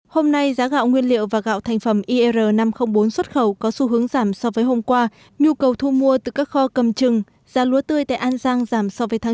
hôm nay giá gạo nguyên liệu và gạo thành phẩm ir năm trăm linh bốn xuất khẩu có xu hướng giảm so với hôm qua nhu cầu thu mua từ các kho cầm trừng giá lúa tươi tại an giang giảm so với tháng chín